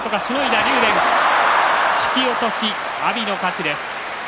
竜電と阿炎引き落とし阿炎の勝ちです。